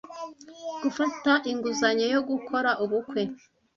gufata inguzanyo yo gukora ubukwe